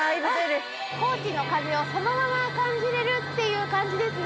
高知の風をそのまま感じられるっていう感じですね